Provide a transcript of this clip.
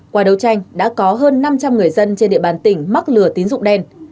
qua đấu tranh đã có hơn năm trăm linh người dân trên địa bàn tỉnh mắc lừa tín dụng đen